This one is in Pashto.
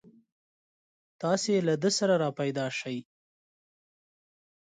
تاسې له ده سره راپیدا شئ.